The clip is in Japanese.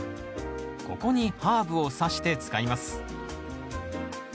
ここにハーブをさして使います。